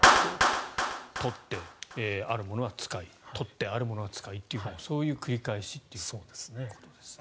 取って、あるものは使い取って、あるものは使いというそういう繰り返しということですね。